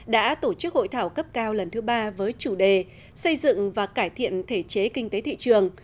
đã tổ chức hội thảo cấp cao lần thứ ba với chủ đề xây dựng và cải thiện thể chế kinh tế thị trường